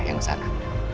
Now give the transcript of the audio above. yang ke sana